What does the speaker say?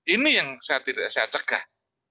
ini yang saya cegah